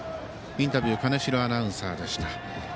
インタビュー金城アナウンサーでした。